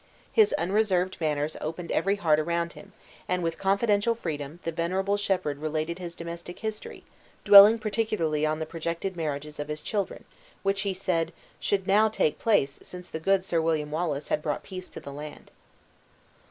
His unreserved manners opened every heart around him, and with confidential freedom the venerable shepherd related his domestic history, dwelling particularly on the projected marriages of his children, which he said, "should now take place, since the good Sir William Wallace had brought peace to the land."